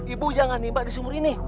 ibu jangan nembak di sumur ini